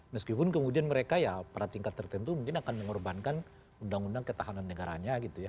meskipun kemudian mereka ya pada tingkat tertentu mungkin akan mengorbankan undang undang ketahanan negaranya gitu ya